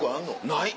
ない！